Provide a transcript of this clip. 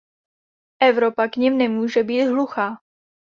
Evropa k nim nemůže být hluchá.